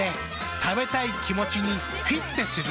食べたい気持ちにフィッテする。